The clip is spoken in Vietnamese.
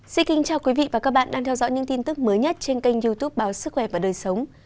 xin kính chào quý vị và các bạn đang theo dõi những tin tức mới nhất trên kênh youtube báo sức khỏe và đời sống